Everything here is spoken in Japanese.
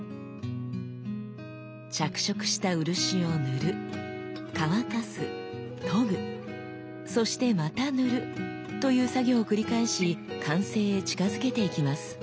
着色した漆を塗る乾かす研ぐそしてまた塗るという作業を繰り返し完成へ近づけていきます。